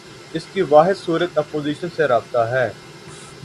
اس کی واحد صورت اپوزیشن سے رابطہ ہے۔